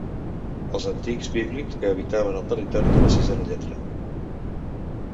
Els antics bíblics que habitaven el territori de la sisena lletra.